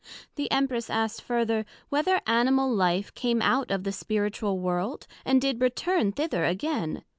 The Empress asked further, Whether Animal life came out of the spiritual World, and did return thither again?